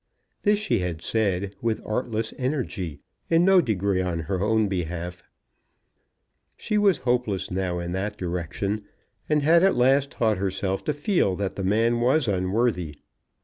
This she had said, with artless energy, in no degree on her own behalf. She was hopeless now in that direction, and had at last taught herself to feel that the man was unworthy.